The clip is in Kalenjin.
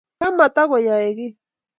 Kamatakoyae kiy